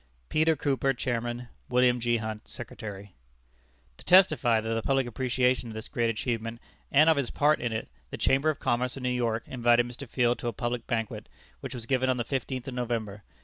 Peter Cooper, Chairman. Wilson G. Hunt, Secretary. To testify the public appreciation of this great achievement, and of his part in it, the Chamber of Commerce of New York invited Mr. Field to a public banquet, which was given on the fifteenth of November.